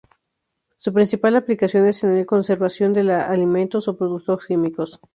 Su principal aplicación es en la conservación de alimentos o productos químicos.